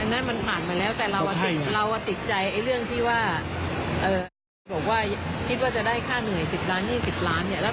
แล้วสามคนที่โทรไปที่เริ่มถึงคุณฟังว่า